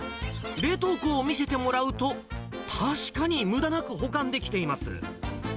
冷凍庫を見せてもらうと、確かにむだなく保管できています。